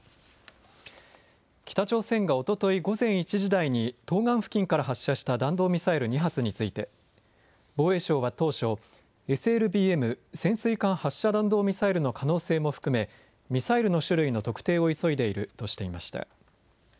北朝鮮がおととい午前１時台に東岸付近から発射した弾道ミサイル２発について、防衛省は当初、ＳＬＢＭ・潜水艦発射弾道ミサイルの可能性も含め、ミサイルの種類の特定を急いでいるとしていました。